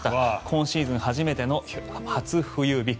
今シーズン初めての初冬日。